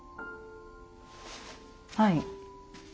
はい。